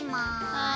はい。